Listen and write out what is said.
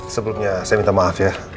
sebelumnya saya minta maaf ya